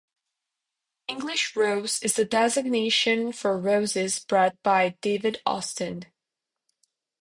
"English Rose" is the designation for roses bred by David Austin.